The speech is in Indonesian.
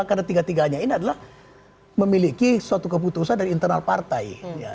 karena tiga tiganya ini adalah memiliki suatu keputusan dari internal partai